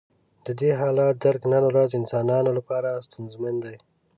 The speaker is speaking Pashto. د دې حالت درک نن ورځ انسانانو لپاره ستونزمن دی.